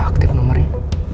kok gak aktif nomornya